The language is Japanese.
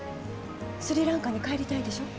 スリランカに帰りたいでしょ？